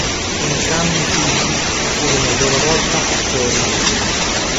Entrambi i figli furono a loro volta attori.